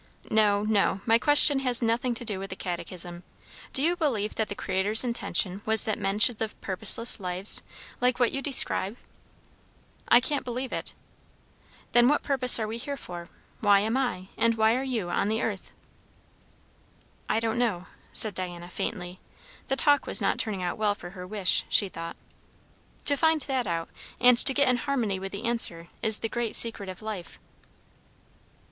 "No, no; my question has nothing to do with the catechism. Do you believe that the Creator's intention was that men should live purposeless lives, like what you describe?" "I can't believe it." "Then what purpose are we here for? Why am I, and why are you, on the earth?" "I don't know," said Diana faintly. The talk was not turning out well for her wish, she thought. "To find that out, and to get in harmony with the answer, is the great secret of life."